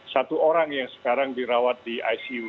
satu orang yang sekarang dirawat di icu